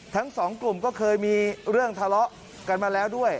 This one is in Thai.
ทั้งสองกลุ่มก็เคยมีเรื่องทะเลาะกันมาแล้วด้วย